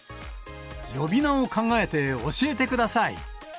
呼び名を考えて教えてください。